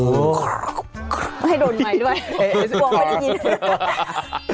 ให้โดนไม้ด้วยบอกว่าจะยิน